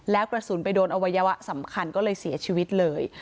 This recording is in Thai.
แล้วกระสุนไปโดนอวัยวะสำคัญก็เลยเสียชีวิตเลย